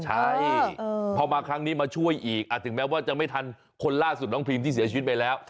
ใช่พอมาครั้งนี้มาช่วยอีกถึงแม้ว่าจะไม่ทันคนล่าสุดน้องพีมที่เสียชีวิตไปแล้ว